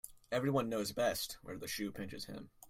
Every one knows best where the shoe pinches him.